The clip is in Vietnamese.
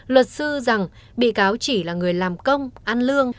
luật sư rằng bị cáo chỉ là người làm công ăn lương